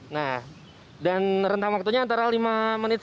nah dan rentang waktunya antara lima menit